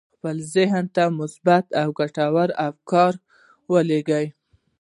خپل ذهن ته مثبت او ګټور افکار ولېږئ.